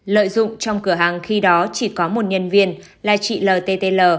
lợi dụng trong cửa hàng khi đó chỉ có một nhân viên là chị ltl